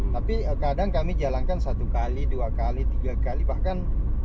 tapi kadang kami jalankan satu x dua x tiga x bahkan sampai lima x satu bulan